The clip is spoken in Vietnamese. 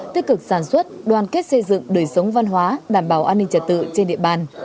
tính văn hóa đảm bảo an ninh trật tự trên địa bàn